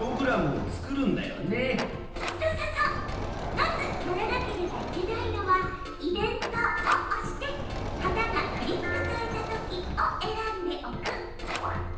まずやらなければいけないのは「イベント」を押して「旗がクリックされたとき」を選んでおく。